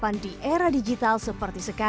pakai dia pakai dia